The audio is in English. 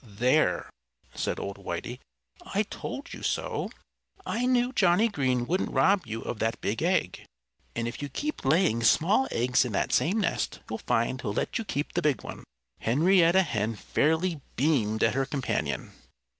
"There!" said old Whitey. "I told you so! I knew Johnnie Green wouldn't rob you of that big egg. And if you keep laying small eggs in that same nest you'll find he'll let you keep the big one." Henrietta Hen fairly beamed at her companion.